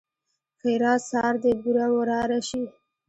ښېرا؛ سار دې بوره وراره شي!